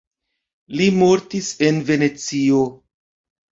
Li mortis en Venecio.